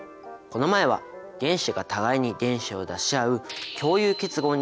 この前は原子が互いに電子を出し合う共有結合について知りました。